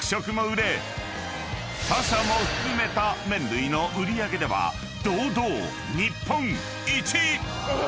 ［他社も含めた麺類の売り上げでは堂々日本一！］